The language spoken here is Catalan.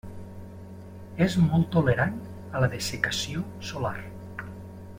És molt tolerant a la dessecació solar.